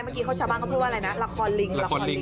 เมื่อกี้เขาชาวบ้านก็พูดว่าอะไรนะละครลิง